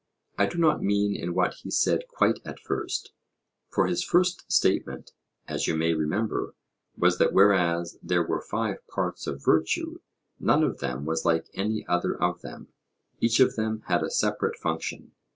I do not mean in what he said quite at first, for his first statement, as you may remember, was that whereas there were five parts of virtue none of them was like any other of them; each of them had a separate function.